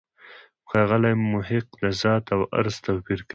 ښاغلی محق د «ذات» او «عرض» توپیر کوي.